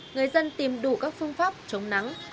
người dân tìm đủ các phương pháp chống nắng